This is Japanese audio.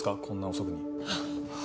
こんな遅くに。